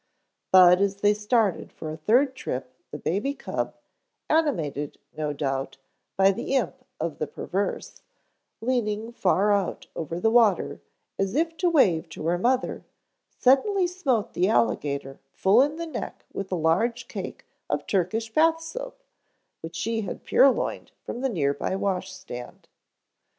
But as they started for a third trip the baby cub, animated, no doubt, by the Imp of the Perverse, leaning far out over the water as if to wave to her mother suddenly smote the alligator full in the neck with a large cake of Turkish bath soap which she had purloined from the near by wash stand.